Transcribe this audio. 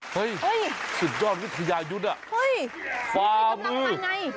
เฮ่ยสุดยอดริทยายุทธ์ฟามือ